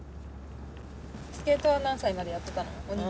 スケートは何歳までやってたの？